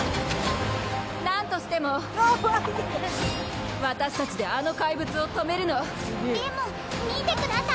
何としても私達であの怪物を止めるのでも見てください